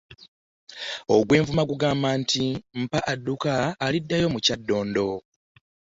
Ogw’Envuma gugamba nti “Mpa adduka aliddayo mu Kyaddondo.